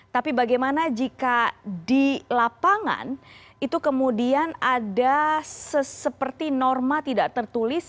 tapi bagaimana jika di lapangan itu kemudian ada seperti norma tidak tertulis